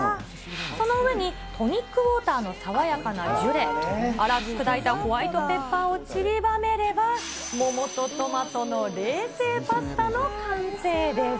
その上にトニックウォーターの爽やかなジュレ、粗く砕いたホワイトペッパーをちりばめれば、桃とトマトの冷製パスタの完成です。